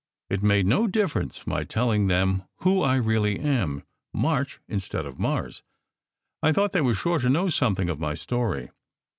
It made no difference my telling them who I really am, March instead of Mars. I thought they were sure to know something of my story.